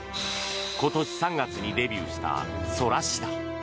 今年３月にデビューした空師だ。